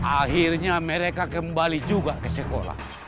akhirnya mereka kembali juga ke sekolah